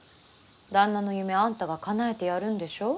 旦那の夢あんたがかなえてやるんでしょ？